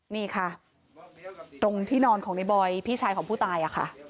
นี่ตรงที่นอนไอบอยพี่ชายของผู้ตาย